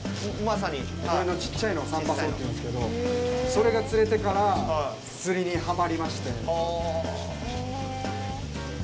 これのちっちゃいのをサンバソウっていうんですけどそれが釣れてから釣りにはまりまして。